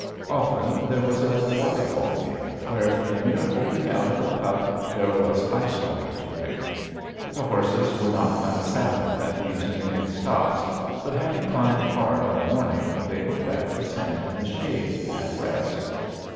Often there was a waterfall near, where for the mere holding out of a cup there was ice water to drink. The horses were not unsaddled at these noonday stops, but, having climbed hard all morning, they were glad to stand in the shade and rest.